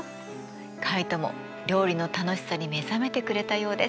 カイトも料理の楽しさに目覚めてくれたようです。